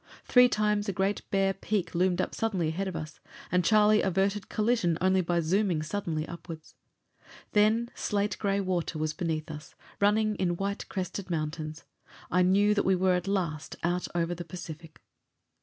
Three times a great bare peak loomed suddenly up ahead of us, and Charlie averted collision only by zooming suddenly upward. Then slate gray water was beneath us, running in white crested mountains. I knew that we were at last out over the Pacific.